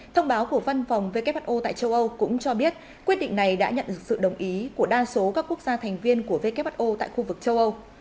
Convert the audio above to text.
thông báo của văn phòng who tại châu âu cũng cho biết quyết định này đã nhận được sự đồng ý của đa số các quốc gia thành viên của who tại khu vực châu âu